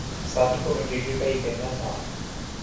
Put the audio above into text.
ساتھی کمنٹیٹر کا یہ کہنا تھا